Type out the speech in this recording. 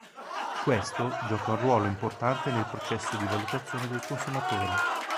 Questo gioca un ruolo importante nel processo di valutazione del consumatore.